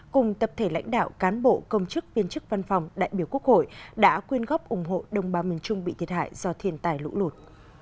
cùng tập thể lãnh đạo cán bộ công chức viên chức văn phòng đại biểu quốc hội đã quyên góp ủng hộ đồng bào miền trung bị thiệt hại do thiên tài lũ lụt